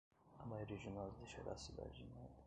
A maioria de nós deixará a cidade em maio.